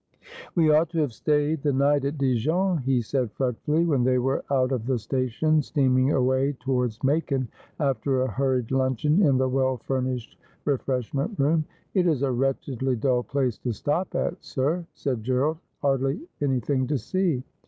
' We ought to have stayed the night at Dijon,' he said fret fully, when they were out of the station, steaming away toward? Macon, after a hurried luncheon in the well furnished refresh ment room. ' It is a wretchedly dull place to stop at, sir,' said Gerald ' hardly anything to see.'